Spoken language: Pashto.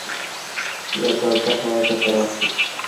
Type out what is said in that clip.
له تازه هوا ګټه واخله